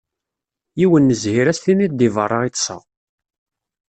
Yiwen n zzhir ad s-tiniḍ deg berra i ṭṭseɣ.